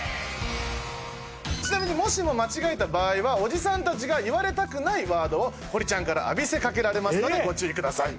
ちなみにもしも間違えた場合はおじさんたちが言われたくないワードを堀ちゃんから浴びせかけられますのでご注意ください。